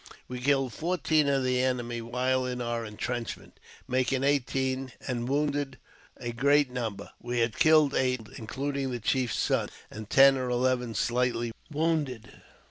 We killed fourteen of the enemy while in our entrenchme making eighteen, and wounded a great number. We had eight killed, including the chief's son, and ten or eleven slightly wounded.